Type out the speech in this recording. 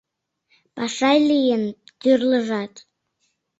Паша лийын тӱрлыжат: